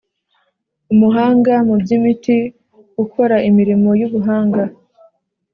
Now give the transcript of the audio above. Umuhanga mu by imiti ukora imirimo y ubuhanga